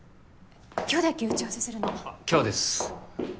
今日だっけ打ち合わせするの今日です